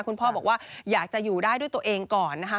คุณพ่อบอกว่าอยากจะอยู่ได้ด้วยตัวเองก่อนนะคะ